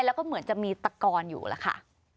แล้วก็เหมือนจะมีตะกอนอยู่แล้วค่ะ